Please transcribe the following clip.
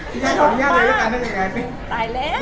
ต่อมาตายแล้ว